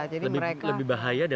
lebih bahaya dari biawak